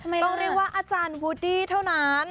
ต้องเรียกว่าอาจารย์วูดดี้เท่านั้น